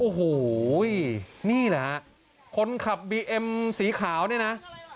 โอ้โหนี่แหละฮะคนขับบีเอ็มสีขาวเนี่ยนะ